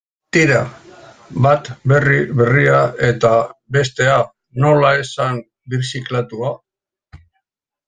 Tira, bat berri berria eta bestea, nola esan, birziklatua.